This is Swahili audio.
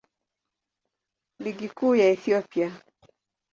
Ligi Kuu ya Ethiopia.